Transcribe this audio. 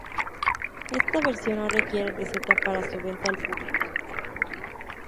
Esta versión no requiere receta para su venta al público.